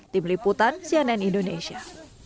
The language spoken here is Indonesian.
tim liputan cnn indonesia